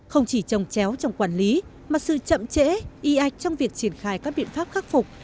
không chỉ trồng chéo trong quản lý mà sự chậm trễ y ạch trong việc triển khai các biện pháp khắc phục